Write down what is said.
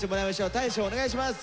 大昇お願いします。